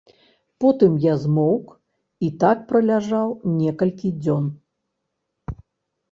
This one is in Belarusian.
Потым я змоўк і так праляжаў некалькі дзён.